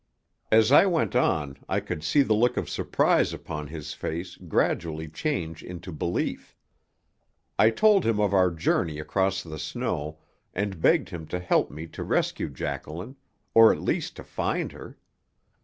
As I went on I could see the look of surprise upon his face gradually change into belief. I told him of our journey across the snow and begged him to help me to rescue Jacqueline, or at least to find her.